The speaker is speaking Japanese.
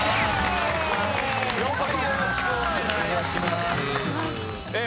よろしくお願いします。